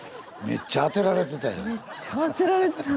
めっちゃ当てられてた。